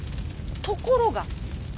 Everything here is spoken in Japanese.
ところが。